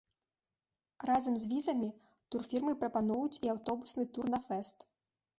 Разам з візамі турфірмы прапануюць і аўтобусны тур на фэст.